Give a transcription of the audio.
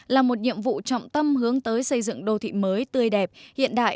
là một nhiệm vụ trọng tâm hướng tới xây dựng đô thị mới tươi đẹp hiện đại